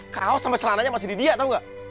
kaos sama celananya masih di dia tau gak